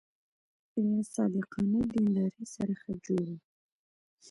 له صادقانه دیندارۍ سره ښه جوړ و.